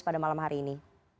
pada malam hari ini